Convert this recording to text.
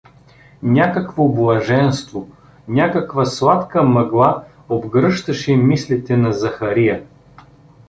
Някакво блаженство, някаква сладка мъгла обгръщаше мислите на Захария.